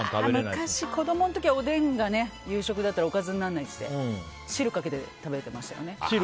昔、子供のときおでんが夕食だとおかずにならないって汁かけて食べてましたからね。